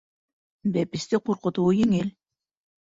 Бәпесте ҡурҡытыуы еңел.